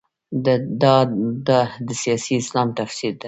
دا د سیاسي اسلام تفسیر ده.